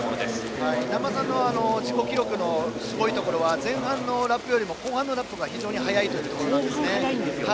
難波さんの自己記録のすごいところは前半のラップよりも後半の方が非常に速いんですね。